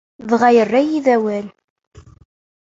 Dɣa yerra-yi-d awal.